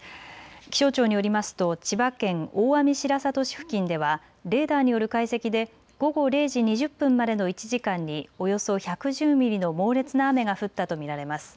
気象庁によりますと千葉県大網白里市付近ではレーダーによる解析で午後０時２０分までの１時間におよそ１１０ミリの猛烈な雨が降ったと見られます。